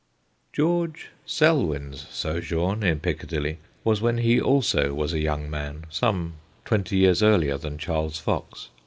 George Selwyn's sojourn in Piccadilly was when he also was a young man, some twenty years earlier than Charles Fox.